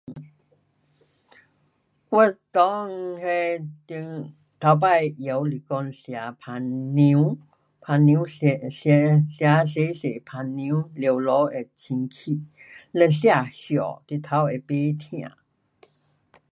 我内那中，头次的药是讲吃香叶，香叶吃，吃，吃多多香叶，尿小会清洁。嘞吃 hia 你头会不痛。